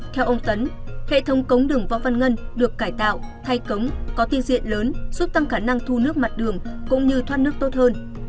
theo ông tấn hệ thống cống đường võ văn ngân được cải tạo thay cống có tiêu diện lớn giúp tăng khả năng thu nước mặt đường cũng như thoát nước tốt hơn